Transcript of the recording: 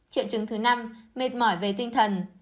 triệu chứng thứ năm mệt mỏi về tinh thần